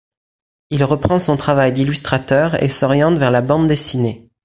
Il reprend son travail d’illustrateur et s’oriente vers la bande dessinée.